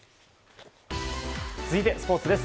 続いて、スポーツです。